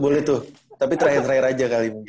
boleh tuh tapi terakhir terakhir aja kali mungkin